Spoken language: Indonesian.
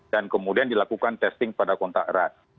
dan kemudian dilakukan testing pada kontak erat